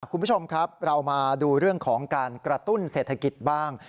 คุณผู้ชมครับเรามาดูเรื่องของการกระตุ้นเศรษฐกิจบ้าง